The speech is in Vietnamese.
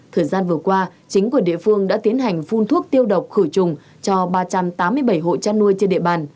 thời gian vừa qua chính quyền địa phương đã tiến hành phun thuốc tiêu độc khử trùng cho ba trăm tám mươi bảy hộ chăn nuôi trên địa bàn